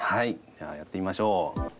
じゃあやってみましょう。